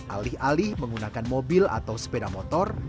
alih alih menggunakan mobil atau sepeda motor